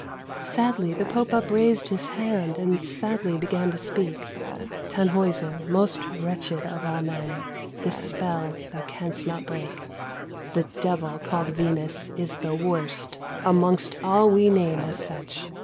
Sadly the Pope upraised his hand, And sadly began to speak: "Tannhäuser, most wretched of all men, This spell thou canst not break. "The devil called Venus is the worst Amongst all we name as such.